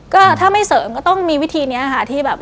ก็ถ้าไม่เสริมก็ต้องมีวิธีนี้ค่ะที่แบบ